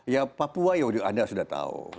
ya papua ya anda sudah tahu